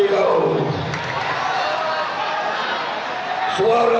suara rakyat adalah suara tuhan